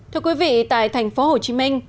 thưa quý vị tại thành phố hồ chí minh